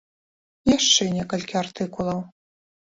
І яшчэ некалькі артыкулаў.